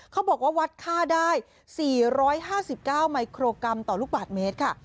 เขาบอกว่าวัดค่าได้๔๕๙มิโครกรัมต่อลูกบาทเมตรค่ะ